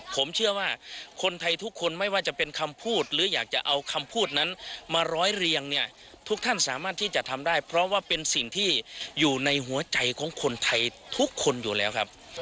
ผมเชื่อว่าคนไทยทุกคนไม่ว่าจะเป็นคำพูดหรืออยากจะเอาคำพูดนั้นมาร้อยเรียงเนี่ยทุกท่านสามารถที่จะทำได้เพราะว่าเป็นสิ่งที่อยู่ในหัวใจของคนไทยทุกคนอยู่แล้วครับ